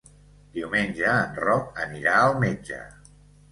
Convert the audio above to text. Diumenge en Roc anirà al metge.